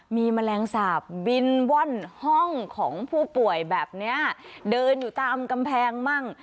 มีแมลงสาปบินว่อนห้องของผู้ป่วยแบบเนี้ยเดินอยู่ตามกำแพงมั่ง